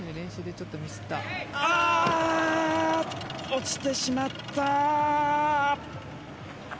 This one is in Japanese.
落ちてしまった。